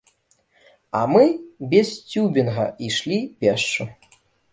А мы без цюбінга ішлі пешшу.